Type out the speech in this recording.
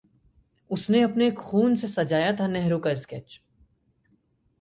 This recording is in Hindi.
...उसने अपने खून से सजाया था नेहरू का स्केच